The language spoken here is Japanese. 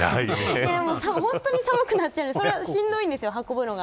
本当に寒くなっちゃうんでしんどいんですよ、運ぶのが。